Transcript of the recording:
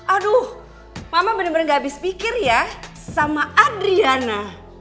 aduh mama bener bener gak habis pikir ya sama adriana